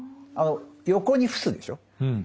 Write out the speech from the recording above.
あの横に伏すんでしょ？